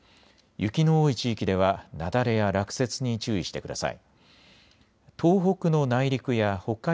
雪の多い地域では雪崩や落雪に注意してください。